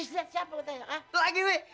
mbak bebe jangan mati